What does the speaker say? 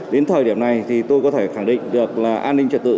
đến thời điểm này thì tôi có thể khẳng định được là an ninh trật tự